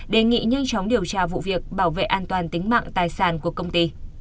đề nghị nhanh chóng điều tra vụ việc bảo vệ an toàn tính mạng tài sản của công ty